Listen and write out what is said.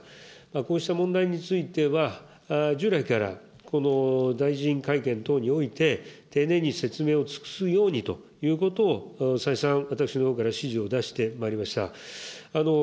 こうした問題については、従来から、大臣会見等において、丁寧に説明を尽くすようにということを再三、私のほうから指示を出してまいりました。